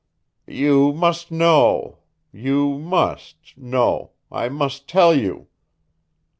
"You must know you must know, I must tell you.